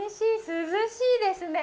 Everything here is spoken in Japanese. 涼しいですね。